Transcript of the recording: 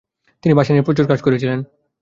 তিনি ভাষা নিয়ে প্রচুর কাজ করেছিলেন।